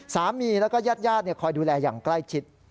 สามีแล้วก็ญาติคอยดูแลอย่างใกล้ชิด